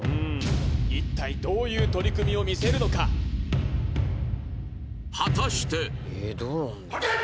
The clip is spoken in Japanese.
一体どういう取組を見せるのか果たしてはっけよい！